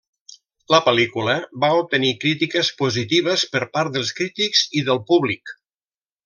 La pel·lícula va obtenir crítiques positives per part dels crítics i del públic.